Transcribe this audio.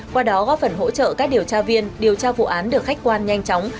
qua đó góp phần hỗ trợ các điều tra viên điều tra vụ án được khách quan nhanh chóng